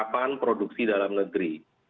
kapan produksi dalam negeri